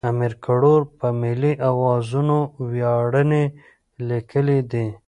امیر کروړ په ملي اوزانو ویاړنې لیکلې دي.